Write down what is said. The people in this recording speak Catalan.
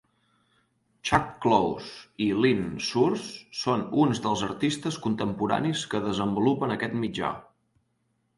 Chuck Close i Lynn Sures són uns dels artistes contemporanis que desenvolupen aquest mitjà.